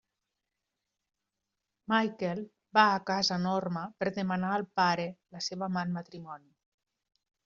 Michael va a casa Norma per demanar al pare la seva mà en matrimoni.